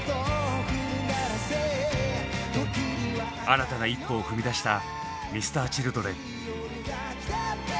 新たな一歩を踏み出したＭｒ．Ｃｈｉｌｄｒｅｎ。